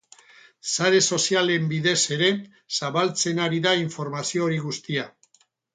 Sare sozialen bidez ere zabaltzen ari dira informazio hori guztia.